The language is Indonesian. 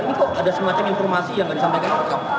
ini kok ada semacam informasi yang nggak disampaikan